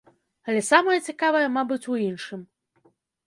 Але самае цікавае, мабыць, у іншым.